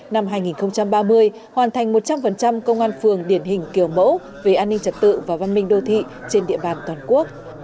năm hai nghìn ba mươi hoàn thành một trăm linh công an phường điển hình kiểu mẫu về an ninh trật tự và văn minh đô thị trên địa bàn toàn quốc